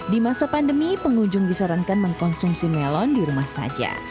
di masa pandemi pengunjung disarankan mengkonsumsi melon di rumah saja